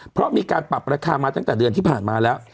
เพราะมีการปรับราคามาตั้งแต่เดือนที่ผ่านมาแล้ว